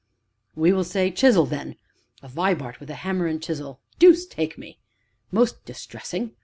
"We will say, chisel, then a Vibart with hammer and chisel deuce take me! Most distressing!